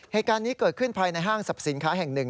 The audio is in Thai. เหตุการณ์นี้เกิดขึ้นภายในห้างสรรพสินค้าแห่งหนึ่ง